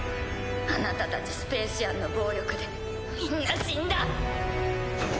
あなたたちスペーシアンの暴力でみんな死んだ！